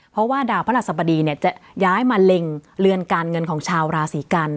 เพราะว่าดาวพระราชสบดีจะย้ายมาเล็งเรือนการเงินของชาวราศีกัน